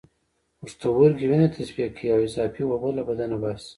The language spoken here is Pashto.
پښتورګي وینه تصفیه کوي او اضافی اوبه له بدن باسي